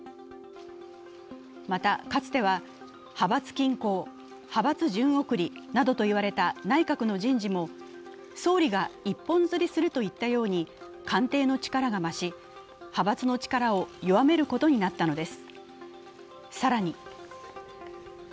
また、かつては派閥均衡、派閥順送りなどと言われた内閣の人事も総理が一本釣りといったように官邸の力が増し、派閥の力を弱めることになったのです。